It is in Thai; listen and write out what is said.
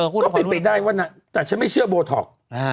ก็เป็นไปได้ว่านะแต่ฉันไม่เชื่อโบท็อก